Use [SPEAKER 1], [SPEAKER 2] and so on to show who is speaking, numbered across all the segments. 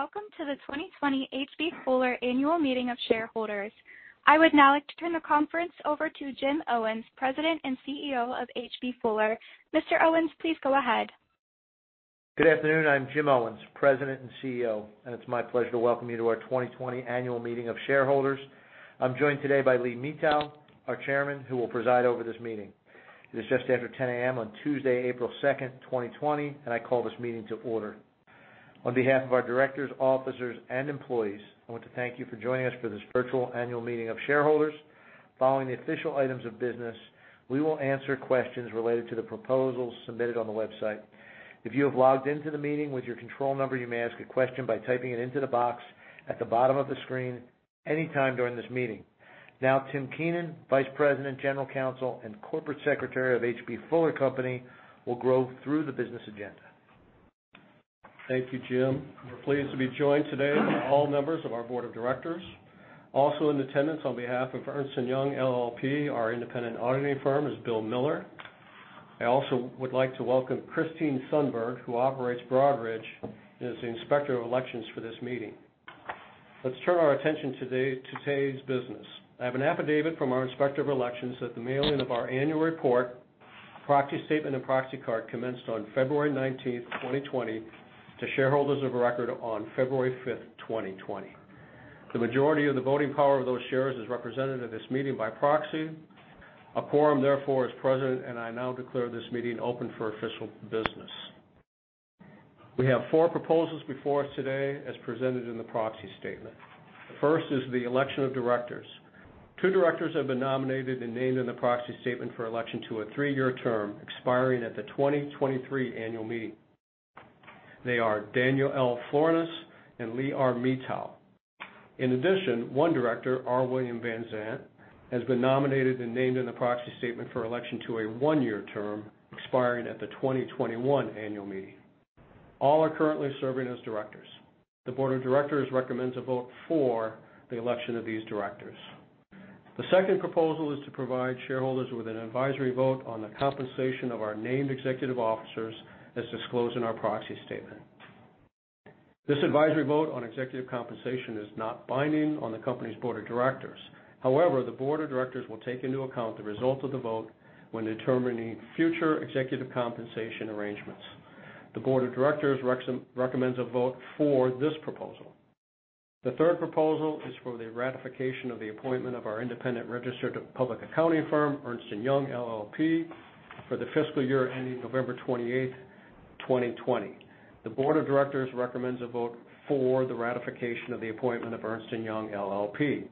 [SPEAKER 1] Good afternoon, and welcome to the 2020 H.B. Fuller Annual Meeting of Shareholders. I would now like to turn the conference over to Jim Owens, President and CEO of H.B. Fuller. Mr. Owens, please go ahead.
[SPEAKER 2] Good afternoon. I'm Jim Owens, President and Chief Executive Officer, and it's my pleasure to welcome you to our 2020 Annual Meeting of Shareholders. I'm joined today by Lee Mitau, our Chairman, who will preside over this meeting. It is just after 10:00 A.M. on Tuesday, April 2nd, 2020, and I call this meeting to order. On behalf of our directors, officers, and employees, I want to thank you for joining us for this virtual annual meeting of shareholders. Following the official items of business, we will answer questions related to the proposals submitted on the website. If you have logged in to the meeting with your control number, you may ask a question by typing it into the box at the bottom of the screen any time during this meeting. Tim Keenan, Vice President, General Counsel, and Corporate Secretary of H.B. Fuller Company, will go through the business agenda.
[SPEAKER 3] Thank you, Jim. We're pleased to be joined today by all members of our board of directors. Also in attendance on behalf of Ernst & Young LLP, our independent auditing firm, is Bill Miller. I also would like to welcome Christine Sundberg, who operates Broadridge and is the Inspector of Elections for this meeting. Let's turn our attention to today's business. I have an affidavit from our Inspector of Elections that the mailing of our annual report, proxy statement, and proxy card commenced on February 19th, 2020 to shareholders of record on February 5th, 2020. The majority of the voting power of those shares is represented at this meeting by proxy. A quorum, therefore, is present, and I now declare this meeting open for official business. We have four proposals before us today, as presented in the proxy statement. The first is the election of directors. Two directors have been nominated and named in the proxy statement for election to a three-year term expiring at the 2023 annual meeting. They are Daniel L. Florness and Lee R. Mitau. In addition, one director, R. William Van Sant, has been nominated and named in the proxy statement for election to a one-year term expiring at the 2021 annual meeting. All are currently serving as directors. The board of directors recommends a vote for the election of these directors. The second proposal is to provide shareholders with an advisory vote on the compensation of our named executive officers, as disclosed in our proxy statement. This advisory vote on executive compensation is not binding on the company's board of directors. However, the board of directors will take into account the result of the vote when determining future executive compensation arrangements. The board of directors recommends a vote for this proposal. The third proposal is for the ratification of the appointment of our independent registered public accounting firm, Ernst & Young LLP, for the fiscal year ending November 28th, 2020. The board of directors recommends a vote for the ratification of the appointment of Ernst & Young LLP.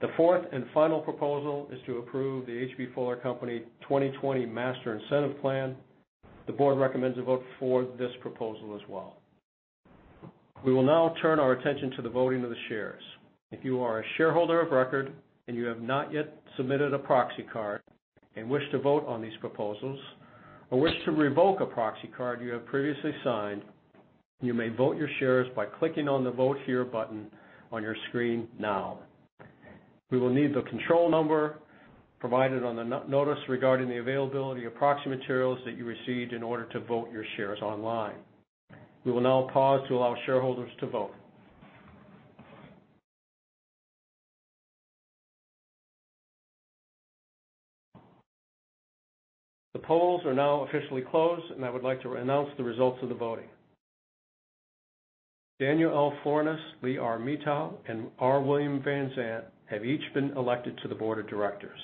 [SPEAKER 3] The fourth and final proposal is to approve the H.B. Fuller Company 2020 Master Incentive Plan. The board recommends a vote for this proposal as well. We will now turn our attention to the voting of the shares. If you are a shareholder of record and you have not yet submitted a proxy card and wish to vote on these proposals or wish to revoke a proxy card you have previously signed, you may vote your shares by clicking on the Vote Here button on your screen now. We will need the control number provided on the notice regarding the availability of proxy materials that you received in order to vote your shares online. We will now pause to allow shareholders to vote. The polls are now officially closed, and I would like to announce the results of the voting. Daniel L. Florness, Lee R. Mitau, and R. William Van Sant have each been elected to the board of directors.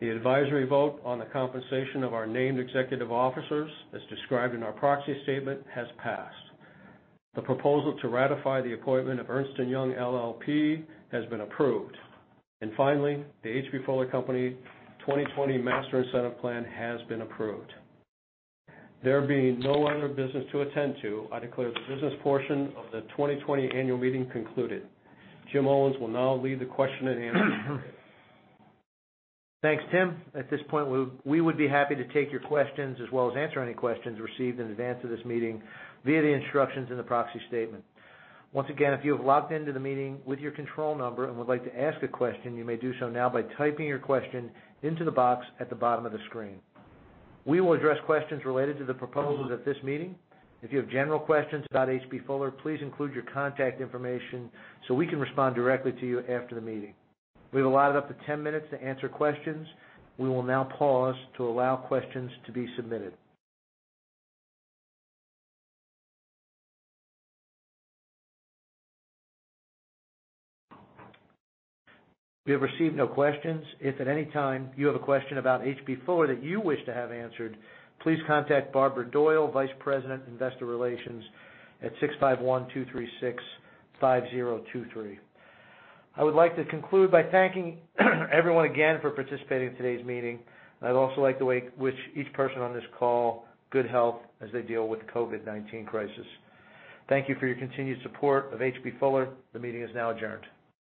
[SPEAKER 3] The advisory vote on the compensation of our named executive officers, as described in our proxy statement, has passed. The proposal to ratify the appointment of Ernst & Young LLP has been approved. Finally, the H.B. Fuller Company 2020 Master Incentive Plan has been approved. There being no other business to attend to, I declare the business portion of the 2020 annual meeting concluded. Jim Owens will now lead the question and answer.
[SPEAKER 2] Thanks, Tim. At this point, we would be happy to take your questions as well as answer any questions received in advance of this meeting via the instructions in the proxy statement. Once again, if you have logged in to the meeting with your control number and would like to ask a question, you may do so now by typing your question into the box at the bottom of the screen. We will address questions related to the proposals at this meeting. If you have general questions about H.B. Fuller, please include your contact information so we can respond directly to you after the meeting. We've allotted up to 10 minutes to answer questions. We will now pause to allow questions to be submitted. We have received no questions. If at any time you have a question about H.B. Fuller that you wish to have answered, please contact Barbara Doyle, Vice President, Investor Relations, at 651-236-5023. I would like to conclude by thanking everyone again for participating in today's meeting. I'd also like to wish each person on this call good health as they deal with the COVID-19 crisis. Thank you for your continued support of H.B. Fuller. The meeting is now adjourned.